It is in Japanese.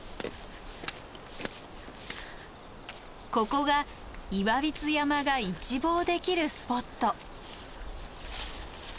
ここが岩櫃山が一望できるスポット。